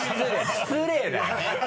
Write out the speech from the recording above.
失礼だよ！